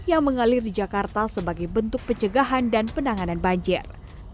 yang mengalir di jakarta sebagai bentuk pencegahan dan penanganan banjir